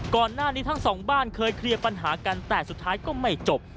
ก่อนหน้านี้ทั้งสองบ้านเคยเคลียร์ปัญหากันแต่สุดท้ายก็ไม่จบ